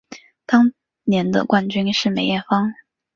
当年的冠军是梅艳芳。